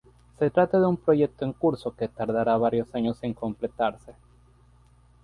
Se trata de un proyecto en curso que tardará varios años en completarse.